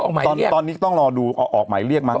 ออกแล้วนี่ตอนนี้ต้องรอดูออกหมายเรียกมั้ง